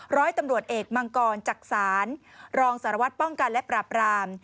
ร้อยตำรวจเอกมังกรจักษานรองสารวัตรป้องกันและปราบราม